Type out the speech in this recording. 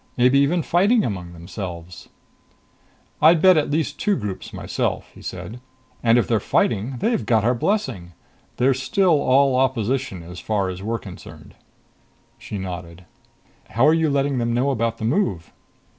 Maybe even fighting among themselves." "I'd bet on at least two groups myself," he said. "And if they're fighting, they've got our blessing. They're still all opposition as far as we're concerned." She nodded, "How are you letting them know about the move?"